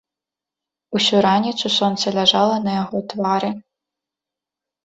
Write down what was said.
Усю раніцу сонца ляжала на яго твары.